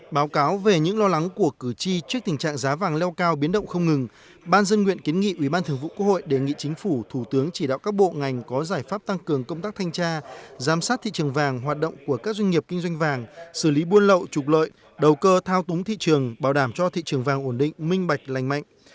báo cáo về những lo lắng của cử tri trước tình trạng giá vàng leo cao biến động không ngừng ban dân nguyện kiến nghị ủy ban thường vụ quốc hội đề nghị chính phủ thủ tướng chỉ đạo các bộ ngành có giải pháp tăng cường công tác thanh tra giám sát thị trường vàng hoạt động của các doanh nghiệp kinh doanh vàng xử lý buôn lậu trục lợi đầu cơ thao túng thị trường bảo đảm cho thị trường vàng ổn định minh bạch lành mạnh